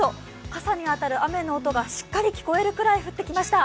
傘に当たる雨の音がしっかり聞こえるくらい降ってきました。